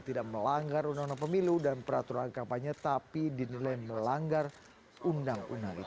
tidak melanggar undang undang pemilu dan peraturan kampanye tapi dinilai melanggar undang undang ite